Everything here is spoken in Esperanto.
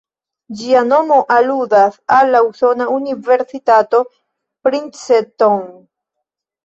Ĝia nomo aludas al la usona Universitato Princeton.